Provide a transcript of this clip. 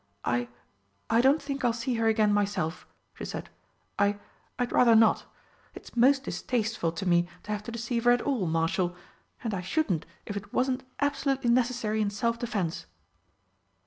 "I I don't think I'll see her again myself," she said. "I I'd rather not. It's most distasteful to me to have to deceive her at all, Marshal, and I shouldn't if it wasn't absolutely necessary in self defence."